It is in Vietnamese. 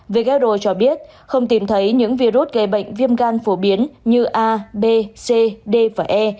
who cho biết không tìm thấy những virus gây bệnh viêm gan phổ biến như a b c d và e